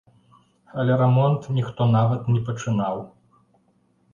Але рамонт ніхто нават не пачынаў.